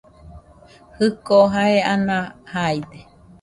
Jiko jae ana jaide.